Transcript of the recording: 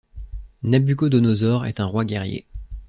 Nabuchodonosor est un roi guerrier.